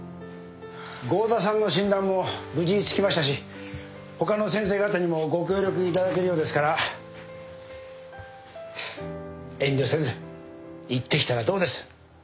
郷田さんの診断も無事つきましたし他の先生方にもご協力いただけるようですから遠慮せず行ってきたらどうです？